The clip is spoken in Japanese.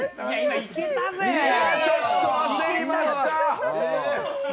いや、ちょっと焦りました。